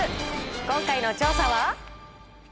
今回の調査は。